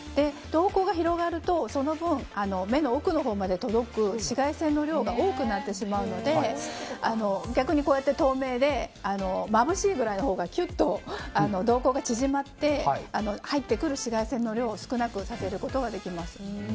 瞳孔が広がるとその分、目の奥のほうまで届く紫外線の量が多くなってしまうので逆に透明でまぶしいぐらいのほうがきゅっと瞳孔が縮まって入ってくる紫外線の量を少なくさせることができます。